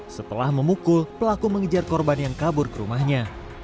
setelah memukul pelaku mengejar korban yang kabur ke rumahnya